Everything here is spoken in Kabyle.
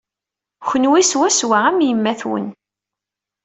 Kenwi swaswa am yemma-twen.